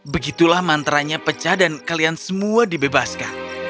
begitulah mantra nya pecah dan kalian semua dibebaskan